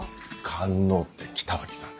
官能って北脇さん